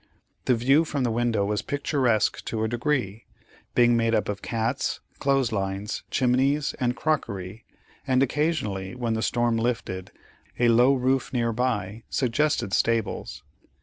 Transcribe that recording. The view from the window was picturesque to a degree, being made up of cats, clothes lines, chimneys, and crockery, and occasionally, when the storm lifted, a low roof near by suggested stables.